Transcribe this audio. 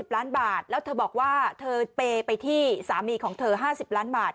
ล้านบาทแล้วเธอบอกว่าเธอเปย์ไปที่สามีของเธอ๕๐ล้านบาท